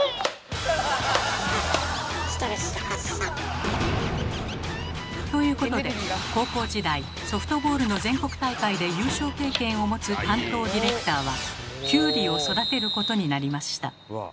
ストレス発散。ということで高校時代ソフトボールの全国大会で優勝経験を持つ担当ディレクターはキュウリを育てることになりました。